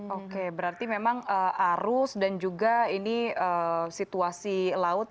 oke berarti memang arus dan juga ini situasi laut